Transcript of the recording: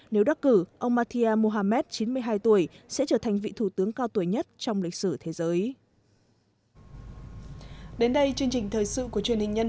nếu đắc cử ông mathir mohammed chín mươi hai tuổi sẽ trở thành vị thủ tướng cao tuổi nhất trong lịch sử thế giới